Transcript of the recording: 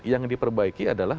yang diperbaiki adalah